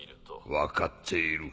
分かっている。